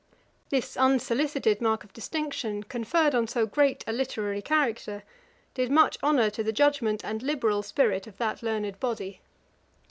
This unsolicited mark of distinction, conferred on so great a literary character, did much honour to the judgement and liberal spirit of that learned body.